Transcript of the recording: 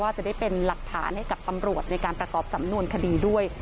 จะได้เป็นหลักฐานให้กับตำรวจในการประกอบสำนวนคดีด้วย